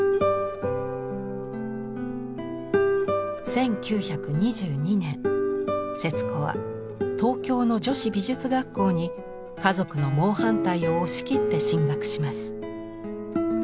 １９２２年節子は東京の女子美術学校に家族の猛反対を押し切って進学します。